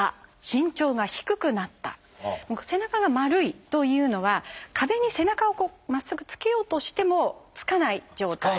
背中が丸いというのは壁に背中をまっすぐつけようとしてもつかない状態。